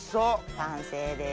完成です。